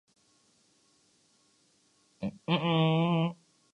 یہ ناکامی اس بیانیے کے فروغ کا کس حد تک باعث ہے؟